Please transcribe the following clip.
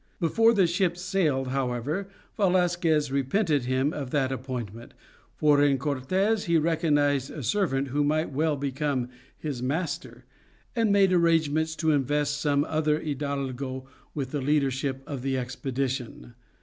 Before the ships sailed, however, Velasquez repented him of the appointment, for in Cortes he recognized a servant who might well become his master, and made arrangements to invest some other hidalgo with the leadership of the expedition.